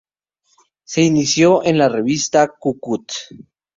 Se inició en la revista "¡Cu-Cut!